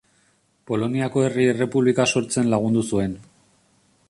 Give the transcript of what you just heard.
Poloniako Herri Errepublika sortzen lagundu zuen.